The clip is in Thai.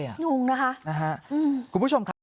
งงนะคะคุณผู้ชมครับ